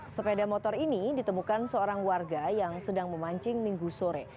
sepeda motor ini ditemukan seorang warga yang sedang memancing minggu sore